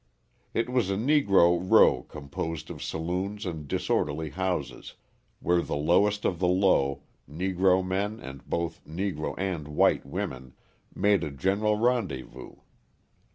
It was a Negro row composed of saloons and disorderly houses, where the lowest of the low, Negro men and both Negro and white women, made a general rendezvous.